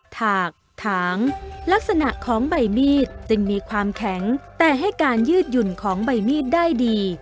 ถากถางลักษณะของใบมีดจึงมีความแข็งแต่ให้การยืดหยุ่นของใบมีดได้ดี